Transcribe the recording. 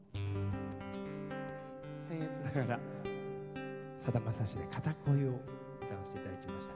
せん越ながらさだまさしで、「片恋」を歌わせていただきました。